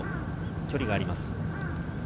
距離があります。